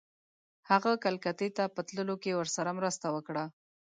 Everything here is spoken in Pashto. هغه کلکتې ته په تللو کې ورسره مرسته وکړه.